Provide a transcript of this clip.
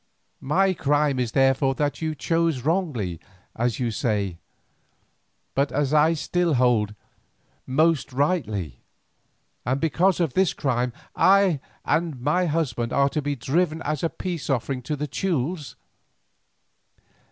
My crime is therefore that you chose wrongly as you say, but as I still hold, most rightly, and because of this crime I and my husband are to be given as a peace offering to the Teules.